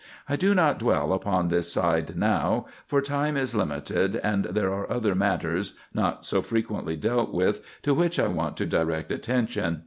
I do not dwell upon this side now, for time is limited, and there are other matters, not so frequently dealt with, to which I want to direct attention.